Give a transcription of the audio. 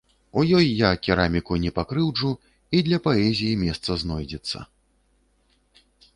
У ёй я кераміку не пакрыўджу і для паэзіі месца знойдзецца.